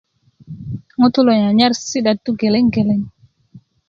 ŋutú ló nyanyar sisidatú gelegeleŋ